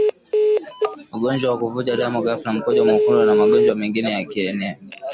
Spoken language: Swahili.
ugonjwa wa kuvuja damu ghafla mkojo mwekundu na magonjwa mengine ya kieneo